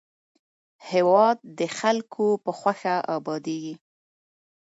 هېواد د خلکو په خوښه ابادېږي.